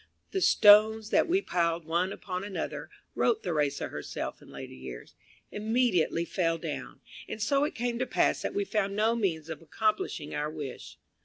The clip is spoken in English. "The stones that we piled one upon another," wrote Theresa herself in later years, "immediately fell down, and so it came to pass that we found no means of accomplishing our wish."